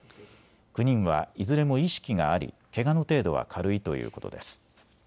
９人はいずれも意識がありけがの程度は軽いということです。